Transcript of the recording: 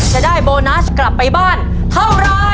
จะได้โบนัสกลับไปบ้านเท่าไร